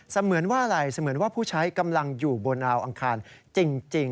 เหมือนว่าอะไรเสมือนว่าผู้ใช้กำลังอยู่บนดาวอังคารจริง